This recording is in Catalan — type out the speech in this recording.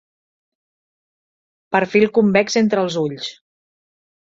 Perfil convex entre els ulls.